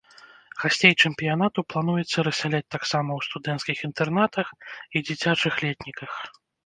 Гасцей чэмпіянату плануецца рассяляць таксама ў студэнцкіх інтэрнатах і дзіцячых летніках.